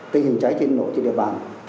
tình hình cháy cháy nổ trên địa bàn